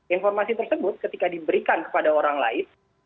informasi tersebut ketika diberikan kepada orang lain